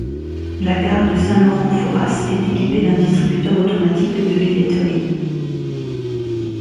La gare de Saint-Laurent - Fouras est équipée d'un distributeur automatique de billetterie.